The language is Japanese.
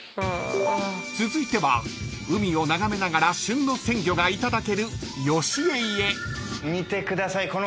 ［続いては海を眺めながら旬の鮮魚がいただけるよしえいへ］